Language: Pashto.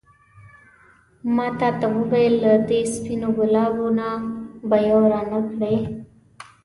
ما تا ته وویل له دې سپينو ګلابو نه به یو رانه کړې.